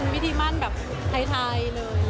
มีวิธีม่าหนแบบไทย